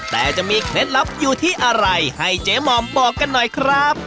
แต่จะมีเคล็ดลับอยู่ที่อะไรให้เจ๊หม่อมบอกกันหน่อยครับ